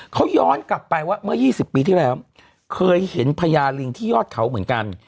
เขาย้อนกลับไปว่าเมื่อ๒๐ปีที่แล้วเคยเห็นพญาลิงที่ยอดเขาเหมือนกัน